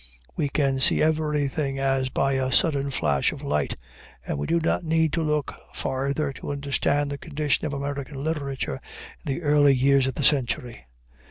We can see everything as by a sudden flash of light, and we do not need to look farther to understand the condition of American literature in the early years of the century.